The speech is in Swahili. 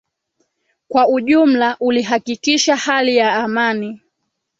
kwa ujumla ulihakikisha hali ya amani